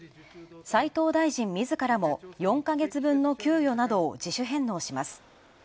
斉藤大臣みずからも４か月分の給与などを自主返納します。